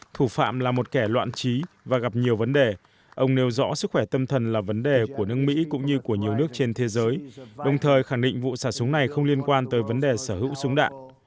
thủ phạm là một kẻ loạn trí và gặp nhiều vấn đề ông nêu rõ sức khỏe tâm thần là vấn đề của nước mỹ cũng như của nhiều nước trên thế giới đồng thời khẳng định vụ xả súng này không liên quan tới vấn đề sở hữu súng đạn